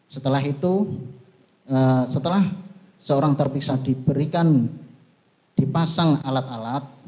setelah itu setelah seorang terpisah diberikan dipasang alat alat